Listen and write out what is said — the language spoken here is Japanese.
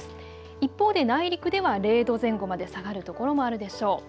一方で内陸では０度前後まで下がる所もあるでしょう。